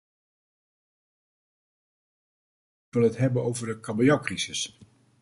Ik wil het hebben over de kabeljauwcrisis.